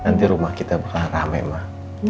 nanti rumah kita bakal rame mah